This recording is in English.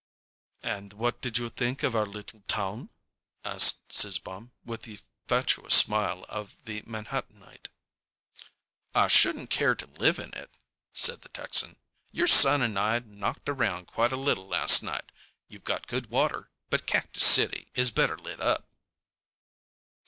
"And what did you think of our little town?" asked Zizzbaum, with the fatuous smile of the Manhattanite. "I shouldn't care to live in it," said the Texan. "Your son and I knocked around quite a little last night. You've got good water, but Cactus City is better lit up."